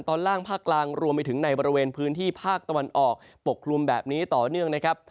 ตอนล่างภาคกลางรวมไปถึงในบริเวณพื้นที่ภาคตะวันออกปกคลุมแบบนี้ต่อเนื่องนะครับ